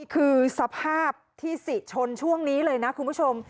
คือสภาพที่สิชนช่วงนี้เลยนะคุณผู้ชม